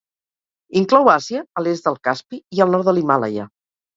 Inclou Àsia a l'est del Caspi i al nord de l'Himàlaia.